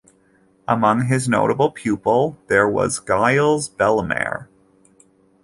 Among his notable pupil there was Gilles Bellemare.